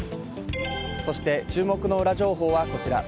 そして注目のウラ情報はこちら。